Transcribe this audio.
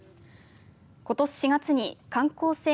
ことし４月に観光船